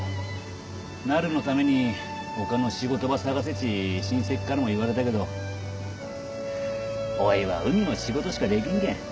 なるのためにおかの仕事ば探せち親戚からも言われたけどおぃは海の仕事しかできんけん。